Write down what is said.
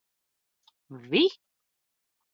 Vi?